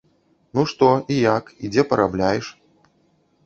Ну што, і як, і дзе парабляеш?